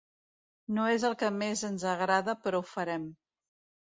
No és el que més ens agrada però ho farem.